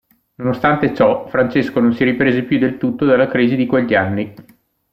Nonostante ciò, Francesco non si riprese più del tutto dalla crisi di quegli anni.